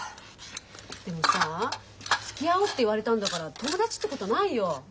でもさつきあおうって言われたんだから友達ってことないよ。